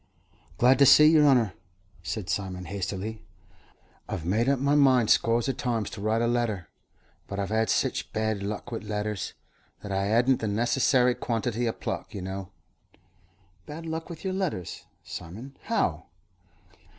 "Glad to see yer honour," said Simon, hastily. "I've made up my mind scores of times to write a letter, but I hev had sich bad luck wi' letters, that I 'adn't the necessary quantity o' pluck, you know." "Bad luck with your letters, Simon? How?"